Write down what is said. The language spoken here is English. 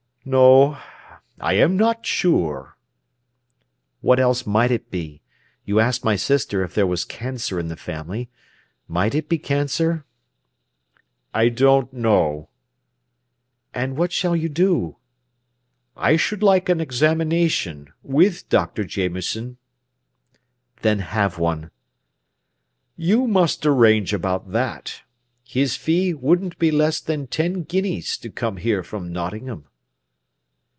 "No, I am not sure." "What else might it be? You asked my sister if there was cancer in the family. Might it be cancer?" "I don't know." "And what shall you do?" "I should like an examination, with Dr. Jameson." "Then have one." "You must arrange about that. His fee wouldn't be less than ten guineas to come here from Nottingham."